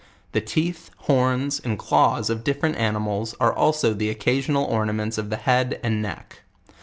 The 'teeth, horns, and claws of different ani mals, are also the occasional ornaments of the head and neck.